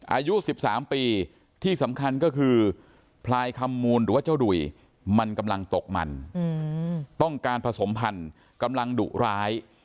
อายุ๑๓ปีที่สำคัญก็คือพลายคำมูลหรือว่าเจ้าดุ่ยมันกำลังตกมันต้องการผสมพันธุ์กำลังดุร้าย